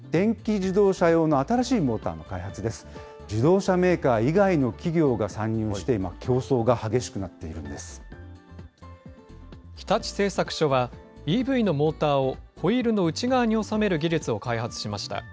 自動車メーカー以外の企業が参入して今、競争が激しくなっている日立製作所は、ＥＶのモーターをホイールの内側に収める技術を開発しました。